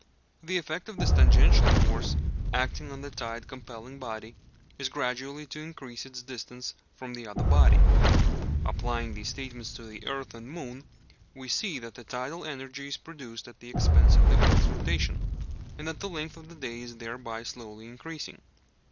The effect of this tangential force acting on the tide compelling body is gradually to increase its distance from the other body. Applying these statements to the earth and moon, we see that tidal energy is produced at the expense of the earth's rotation, and that the length of the day is thereby slowly increasing.